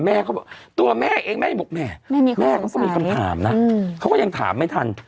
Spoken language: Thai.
เขาบอกตัวแม่เองแม่ยังบอกแม่แม่เขาก็มีคำถามนะเขาก็ยังถามไม่ทัน